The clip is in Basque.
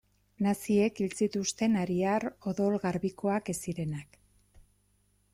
Naziek hil zituzten ariar odol garbikoak ez zirenak.